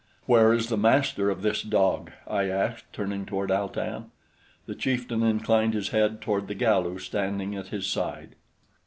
"Where is the master of this dog?" I asked, turning toward Al tan. The chieftain inclined his head toward the Galu standing at his side.